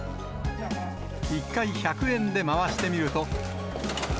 １回１００円で回してみると。